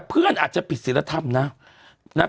เพื่อนอาจจะผิดศิลธรรมนะ